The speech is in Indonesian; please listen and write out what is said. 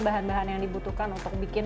bahan bahan yang dibutuhkan untuk bikin